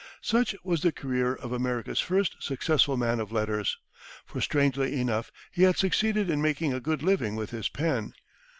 Such was the career of America's first successful man of letters. For, strangely enough, he had succeeded in making a good living with his pen.